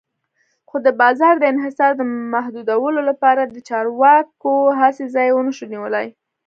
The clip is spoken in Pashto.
خو د بازار د انحصار د محدودولو لپاره د چارواکو هڅې ځای ونشو نیولی.